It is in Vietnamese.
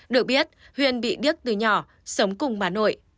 được biết huyền bị điếc từ nhỏ sống cùng bà nội